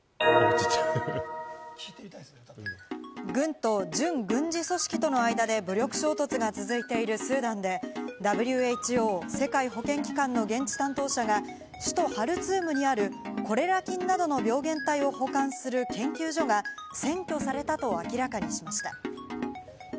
軍と準軍事組織との間で武力衝突が続いているスーダンで、ＷＨＯ＝世界保健機関の現地担当者が首都ハルツームにあるコレラ菌などの病原体を保管する研究所が占拠されたと明らかにしました。